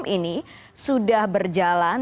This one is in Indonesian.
ini sudah berjalan